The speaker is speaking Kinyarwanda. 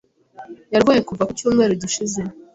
Yarwaye kuva ku cyumweru gishize.